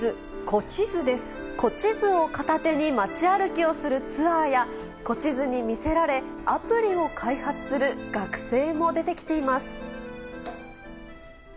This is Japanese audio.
古地図を片手に街歩きをするツアーや、古地図に魅せられ、アプリを開発する学生も出てきています。